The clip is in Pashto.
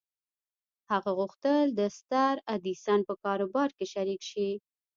هغه غوښتل د ستر ايډېسن په کاروبار کې شريک شي.